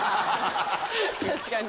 確かに。